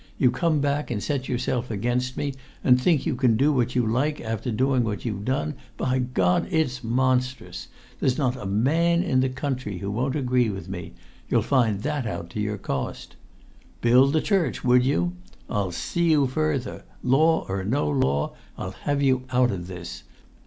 You come back, and set yourself against me, and think you can do what you like after doing what you've done. By God, it's monstrous! There's not a man in the country who won't agree with me; you'll find that out to your cost. Build the church, would you? I'll see you further! Law or no law, I'll have you out of this!